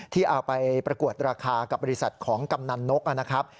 ที่เอาไปประกวดราคากับบริษัทของกำนันนกนะครับ